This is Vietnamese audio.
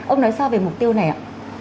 ông nói sao về mục tiêu này ạ